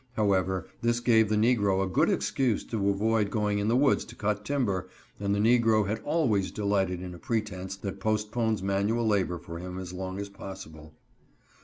However, this gave the negro a good excuse to avoid going in the woods to cut timber, and the negro has always delighted in a pretense that postpones manual labor for him as long as possible.